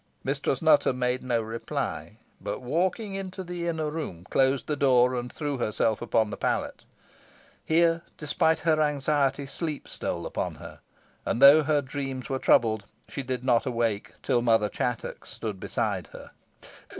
Mistress Nutter made no reply, but, walking into the inner room, closed the door, and threw herself upon the pallet. Here, despite her anxiety, sleep stole upon her, and though her dreams were troubled, she did not awake till Mother Chattox stood beside her.